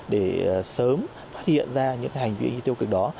để sớm phát hiện ra những hành vi tiêu cực đó